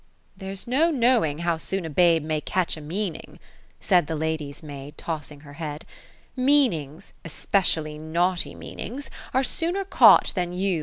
^ There's no knowing how soon a babo may catch a meaning " said the lady's maid, tossing her head: '* meanings, —* specially naughty meanings, — are sooner caught than you.